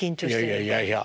いやいやいやいや。